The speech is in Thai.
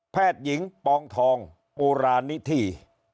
แพทยิงปองทองโอรานิที่